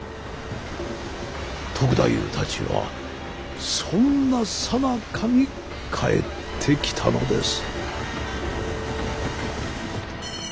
篤太夫たちはそんなさなかに帰ってきたのです。